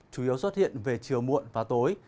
chủ yếu xuất hiện về chiều muộn và tối